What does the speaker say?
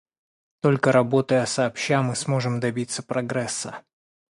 Только работая сообща, мы сможем добиться прогресса.